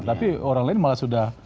tapi orang lain malah sudah